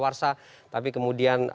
warsa tapi kemudian